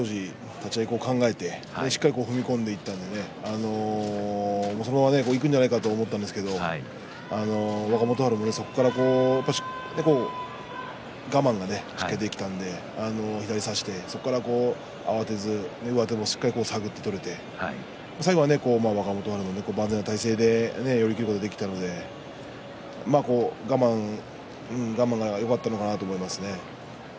立ち合い考えてしっかり踏み込んでいってそのままいくんじゃないかと思ったんですけど若元春もそこから我慢がしっかりできたので左を差して、そこから慌てずに上手もしっかり探っていって最後は若元春が万全の体勢で寄り切ることができたので我慢がよかったのかなと思いますね。